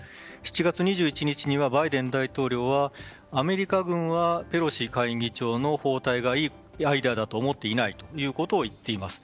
７月２１日にはバイデン大統領はアメリカ軍はペロシ下院議長の訪台をいいアイデアだと思っていないということを言っています。